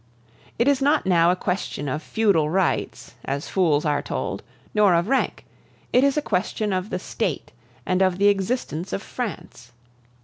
It is not now a question of feudal rights, as fools are told, nor of rank; it is a question of the State and of the existence of France.